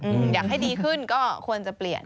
อยากให้ดีขึ้นก็ควรจะเปลี่ยน